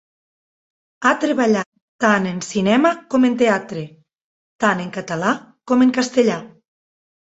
Ha treballat tant en cinema com en teatre, tant en català com en castellà.